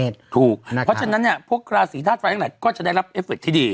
ทุกค่ะเพราะฉะนั้นเนี่ยพวกราศรีธาตุฝ่ายก็จะได้ที่ได้เพิศที่ดี